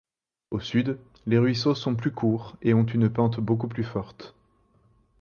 Au sud, les ruisseaux sont plus courts et ont une pente beaucoup plus forte.